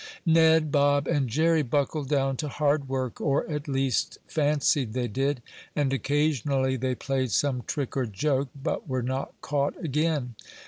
Ned, Bob and Jerry buckled down to hard work, or at least fancied they did, and occasionally they played some trick or joke, but were not caught again.